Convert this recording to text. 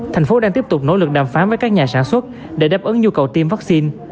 thành phố đang tiếp tục nỗ lực đàm phán với các nhà sản xuất để đáp ứng nhu cầu tiêm vaccine